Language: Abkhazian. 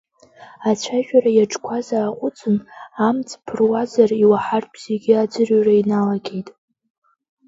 Ацәажәара иаҿқәаз ааҟәыҵын, амҵ ԥыруазар, иуаҳартә, зегьы аӡырҩра иналагеит.